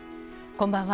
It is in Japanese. こんばんは。